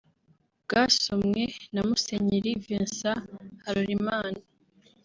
bwasomwe na Musenyeri Vincent Halorimana